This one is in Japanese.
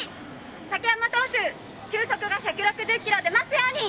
竹山投手、球速が１６０キロでますように！